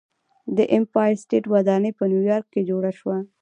د ایمپایر سټیټ ودانۍ په نیویارک کې جوړه شوه.